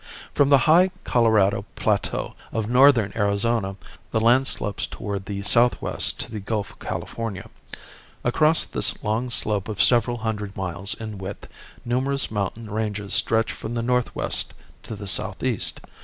From the high Colorado plateau of northern Arizona the land slopes toward the southwest to the Gulf of California. Across this long slope of several hundred miles in width, numerous mountain ranges stretch from the northwest to the southeast.